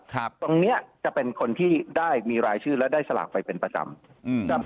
ตรงนี้จะเป็นคนที่ได้มีรายชื่อและได้สลากไปเป็นประจำอืมครับ